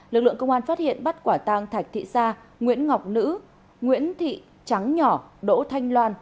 lực lượng công an phát hiện bắt quả tang thạch thị sa nguyễn ngọc nữ nguyễn thị trắng nhỏ đỗ thanh loan